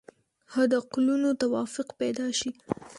حد اقلونو توافق پیدا شي.